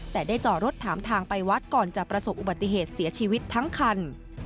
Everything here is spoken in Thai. แต่ได้จอรถถามทางไปวัดก่อนจะประสบอุบัติเหตุเสียชีวิตทั้งคัน